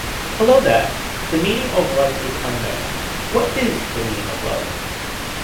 Hello there, the meaning of love is unknown. What is the meaning of love?